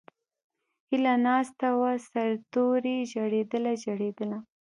ھیلہ ناستہ وہ سر توریی ژڑیدلہ، ژڑیدلہ